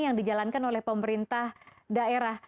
yang dijalankan oleh pemerintah daerah